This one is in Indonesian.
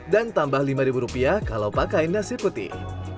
dan tambah lima ribu rupiah kalau pakai nasi putih